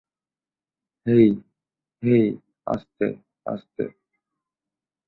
হেই hey, আস্তে আস্তে!